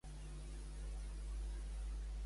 Què és La profecia de l'endevina?